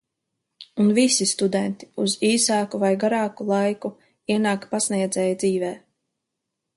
Un visi studenti uz īsāku vai garāku laiku ienāk pasniedzēja dzīvē.